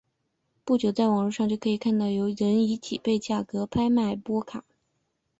不久在网络上就可以看到有人以几倍的价格拍卖波卡。